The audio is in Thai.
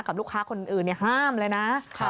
กับลูกค้าคนอื่นห้ามเลยนะ